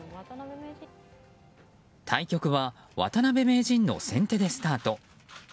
対局は渡辺名人の先手でスタート。